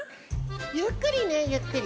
ゆっくりねゆっくり。